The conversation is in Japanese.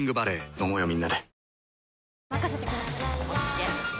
飲もうよみんなで。